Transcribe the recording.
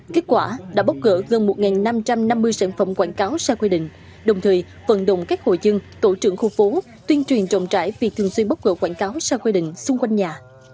kết quả đã bóc gỡ gần một năm trăm năm mươi sản phẩm quảng cáo sai quy định đồng thời vận động các hội dân tổ trưởng khu phố tuyên truyền trọng trải vì thường xuyên bốc gỡ quảng cáo sai quy định xung quanh nhà